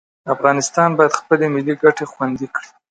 افغانستان باید خپلې ملي ګټې خوندي کړي.